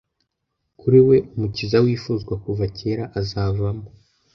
kuri we umukiza wifuzwa kuva kera azavamo